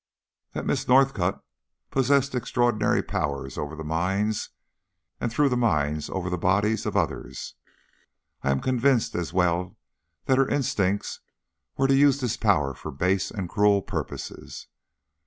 That Miss Northcott possessed extraordinary powers over the minds, and through the minds over the bodies, of others, I am convinced, as well as that her instincts were to use this power for base and cruel purposes.